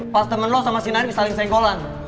pas temen lo sama si nani saling senggolan